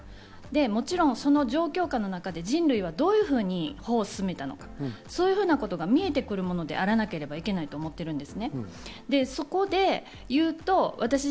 もちろんその状況下の中で人類はどういうほうに歩を進めたのか、そういうことが見えてくるものであらなければならないと思っているんです。